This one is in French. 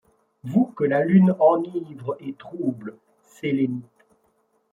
Vous que la lune enivre et trouble, sélénites ;